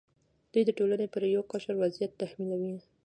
دوی د ټولنې پر یو قشر وضعیت تحمیلوي.